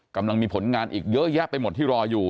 กำลังมีผลงานอีกเยอะแยะไปหมดที่รออยู่